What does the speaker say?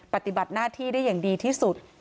ปฏิบัติหน้าที่ได้อย่างดีที่สุด